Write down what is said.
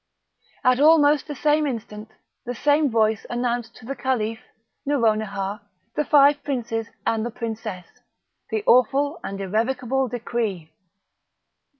At almost the same instant the same voice announced to the Caliph, Nouronihar, the five princes, and the princess, the awful and irrevocable decree.